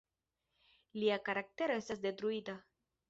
Lia karaktero estas detruita.